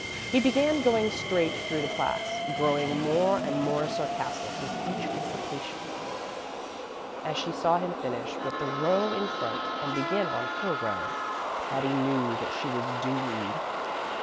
He began going straight through the class, growing more and more sarcastic with each recitation. As she saw him finish with the row in front and begin on her row, Patty knew that she was doomed.